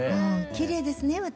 きれいですね私。